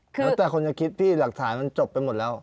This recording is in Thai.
แล้วแต่คนจะคิดพี่หลักฐานมันจบไปหมดแล้ว